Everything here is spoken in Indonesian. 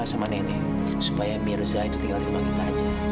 sampai jumpa di video selanjutnya